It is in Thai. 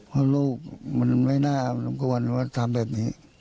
เพราะลูกมันไม่น่าสมควรว่าทำแบบนี้